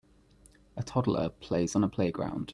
A toddler plays on a playground.